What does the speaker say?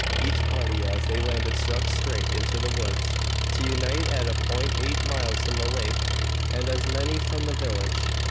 Each party as they landed struck straight into the woods, to unite at a point eight miles from the lake and as many from the village.